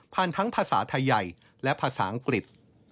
ทั้งภาษาไทยใหญ่และภาษาอังกฤษ